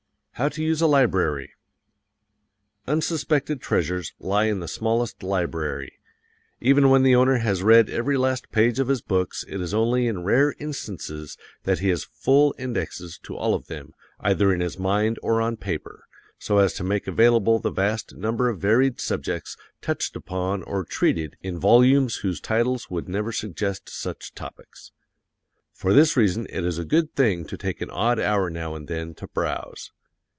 How to Use a Library Unsuspected treasures lie in the smallest library. Even when the owner has read every last page of his books it is only in rare instances that he has full indexes to all of them, either in his mind or on paper, so as to make available the vast number of varied subjects touched upon or treated in volumes whose titles would never suggest such topics. For this reason it is a good thing to take an odd hour now and then to browse.